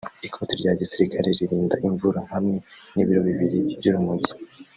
ikoti rya gisirikare ririnda imvura hamwe n’ibiro bibiri by’urumogi